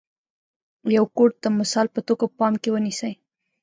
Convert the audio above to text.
یو کوټ د مثال په توګه په پام کې ونیسئ.